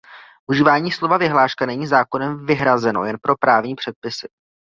Užívání slova vyhláška není zákonem vyhrazeno jen pro právní předpisy.